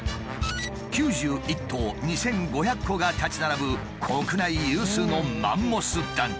９１棟２，５００戸が立ち並ぶ国内有数のマンモス団地だ。